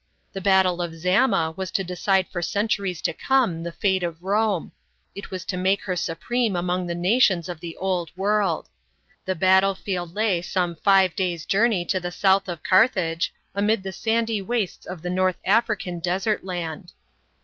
The battle of Zama was to decide for centuries to come, the fate of Rome it was to make her supreme among the nations of the Old World. The battlefield lay some five days' journey to the south of Car B.C. 202.] DEFEAT OF HANNIBAL. 171 thage, amid the sandy wastes of the North African desert land.